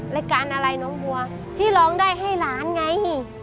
รายการอะไรน้องบัวที่ร้องได้ให้หลานไง